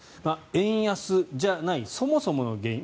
円安じゃないそもそもの原因